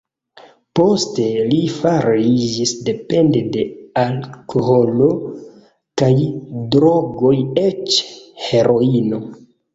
Poste li fariĝis dependa de alkoholo kaj drogoj, eĉ heroino.